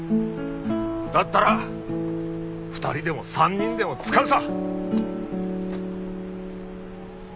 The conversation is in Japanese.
だったら２人でも３人でも使うさ。